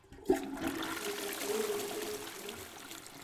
ئەجەب مېنىڭكىدە يوققۇ؟